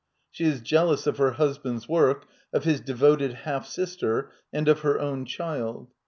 She is jealous of her husband's work, of his devoted half sister, and of her own child.